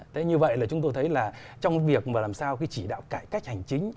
thế như vậy là chúng tôi thấy là trong việc mà làm sao cái chỉ đạo cải cách hành chính